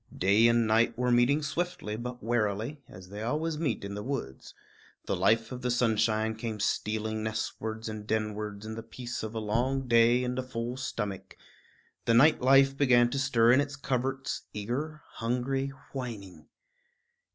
Day and night were meeting swiftly but warily, as they always meet in the woods. The life of the sunshine came stealing nestwards and denwards in the peace of a long day and a full stomach; the night life began to stir in its coverts, eager, hungry, whining.